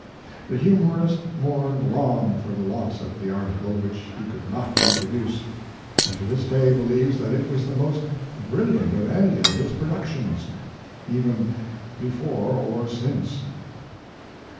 The humorist mourned long for the loss of the article which he could not re produce, and to this day believes that it was the most brilliant of any of his pro ductions, even before or since.